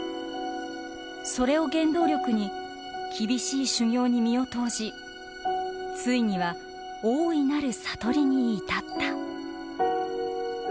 それを原動力に厳しい修行に身を投じついには大いなる悟りに至った。